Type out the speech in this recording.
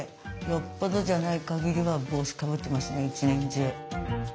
よっぽどじゃないかぎりは帽子かぶってますね一年中。